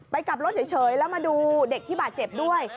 กลับรถเฉยแล้วมาดูเด็กที่บาดเจ็บด้วย